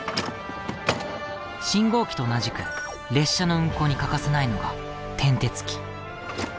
信号機と同じく列車の運行に欠かせないのが転てつ機。